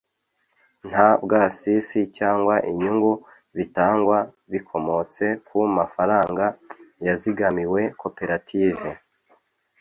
nta bwasisi cyangwa inyungu bitangwa bikomotse ku mafaranga yazigamiwe koperative